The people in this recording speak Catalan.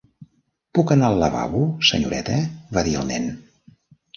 "Puc anar al lavabo, senyoreta?" va dir el nen.